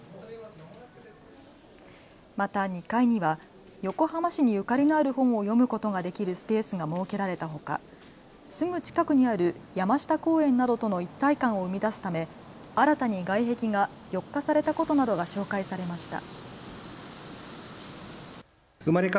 また２階には横浜市にゆかりのある本を読むことができるスペースが設けられたほかすぐ近くにある山下公園などとの一体感を生み出すため新たに外壁が緑化されたことなどが紹介されました。